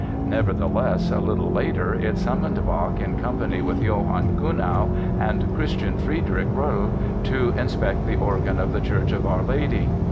Nevertheless, a little later it summoned Bach in company with Johann Kuhnau and Christian Friedrich Rolle to inspect the organ of the Church of Our Lady.